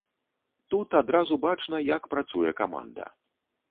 Тут адразу бачна, як працуе каманда.